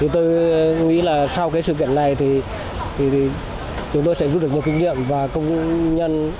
tôi nghĩ là sau sự kiện này chúng tôi sẽ giúp được một kinh nghiệm và công nhân